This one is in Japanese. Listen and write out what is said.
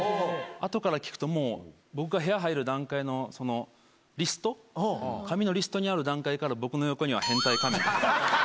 後から聞くともう僕が部屋入る段階のそのリスト紙のリストにある段階から僕の横には「変態仮面」って。